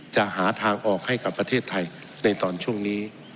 จะหาทางออกให้กับประเทศไทยในตอนช่วงนี้